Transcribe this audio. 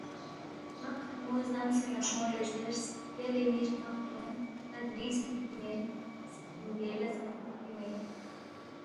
ہرمق ہرمُو زدمسے نہ کھونگ لہ زیرس، ”یلے ن٘ی ہرمق ہرمُو ن٘ا دِرنگ سہ کِھتی مین بیر لہ سہ کِھتی مین